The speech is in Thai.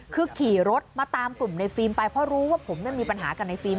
คือขี่รถมาตามกลุ่มในฟิล์มไปเพราะรู้ว่าผมมีปัญหากับในฟิล์ม